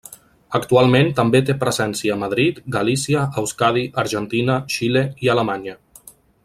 Actualment també té presència a Madrid, Galícia, Euskadi, Argentina, Xile i Alemanya.